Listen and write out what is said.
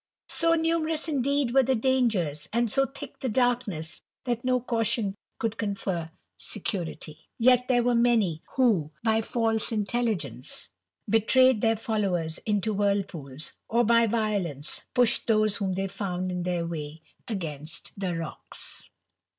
So numerous, indeed, were the dangers, and "O thick the darkness, that no caution could confer security. • ct there were many, who, by false intelligence betrayed ■ '*>«it followers into whirlpools, or by violence pushed 'Ivjse whom they found in their way against the rocks.